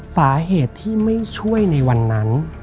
สาเหตุที่ไม่ช่วยในวันนั้น